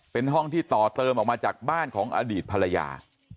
เป็นห้องที่ต่อเติมออกมาจากบ้านของอดีตภรรยา